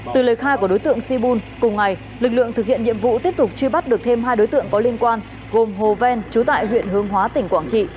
từ lời khai của đối tượng si bun cùng ngày lực lượng thực hiện nhiệm vụ tiếp tục truy bắt được thêm hai đối tượng có liên quan gồm hồ ven trú tại huyện hương hóa tỉnh quảng trị